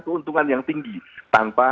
keuntungan yang tinggi tanpa